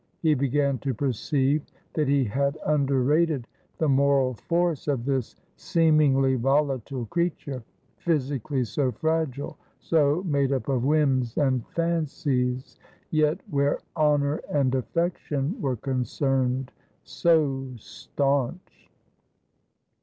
He began to perceive that he had underrated the moral force of this seemingly volatile creature ; physically so fragile, so made up of whims and fancies, yet, where honour and affection were concerned, so staunch.